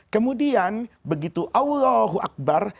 kemudian begitu allahu akbar